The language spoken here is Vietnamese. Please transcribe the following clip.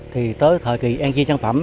thì tới thời kỳ ng sản phẩm